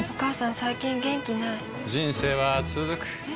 最近元気ない人生はつづくえ？